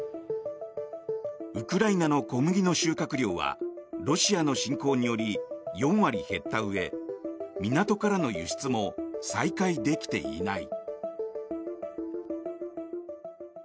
ウクライナの小麦の収穫量はロシアの侵攻により４割減ったうえ港からの輸出も再開できていない。